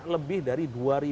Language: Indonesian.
lebih dari dua enam ratus